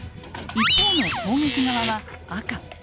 一方の攻撃側は赤。